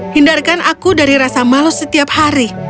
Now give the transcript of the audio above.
hindarkan aku dari rasa malu setiap hari